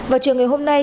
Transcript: vào chiều ngày hôm nay